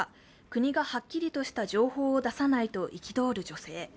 国がはっきりとした情報を出さないと憤る女性。